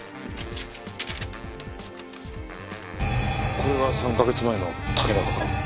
これが３カ月前の竹中か？